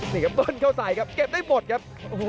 นี่ก็ต้นเข้าสายครับเก็บได้หมดครับ